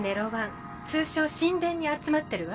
通称神殿に集まってるわ。